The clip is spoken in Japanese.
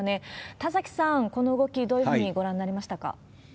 田崎さん、この動き、どういうふうにご覧になりましたか？